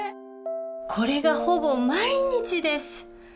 これがほぼ毎日です。